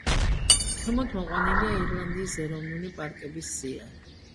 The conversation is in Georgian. ქვემოთ მოყვანილია ირლანდიის ეროვნული პარკების სია.